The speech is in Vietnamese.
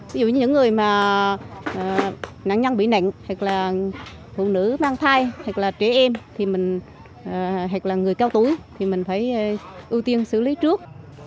ví dụ như những người nạn nhân bị nạn phụ nữ mang thai trẻ em người cao túi mình phải ưu tiên xử lý trước